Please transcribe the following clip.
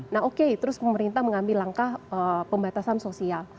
nah oke terus pemerintah mengambil langkah pembatasan sosial